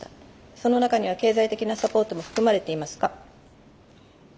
その中には経済的なサポートも含まれていますか？